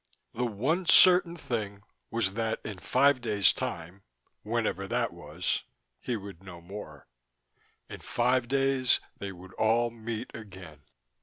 The one certain thing was that in five days' time (whenever that was) he would know more. In five days they would all meet again.